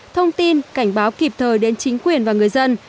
thông tin cảnh báo kịp thời đến chính quyền và người dân